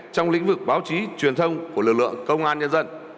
trong lĩnh vực báo chí truyền thông của lực lượng công an nhân dân